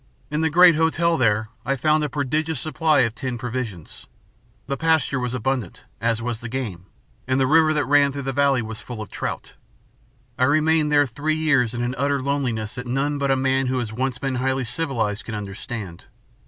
In the great hotel there I found a prodigious supply of tinned provisions. The pasture was abundant, as was the game, and the river that ran through the valley was full of trout. I remained there three years in an utter loneliness that none but a man who has once been highly civilized can understand.